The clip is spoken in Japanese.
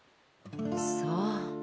そう。